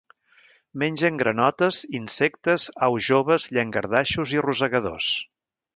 Mengen granotes, insectes, aus joves, llangardaixos i rosegadors.